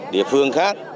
địa phương khác